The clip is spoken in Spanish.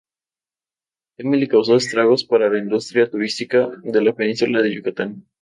Emily causó estragos para la industria turística de la península de Yucatán.